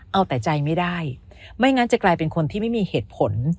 เอาแต่ใจไม่ได้ไม่งั้นจะกลายเป็นคนที่ไม่มีเหตุผล